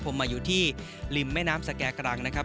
ผมมาอยู่ที่ริมแม่น้ำสแก่กรังนะครับ